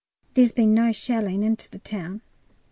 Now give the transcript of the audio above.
There's been no shelling into the town.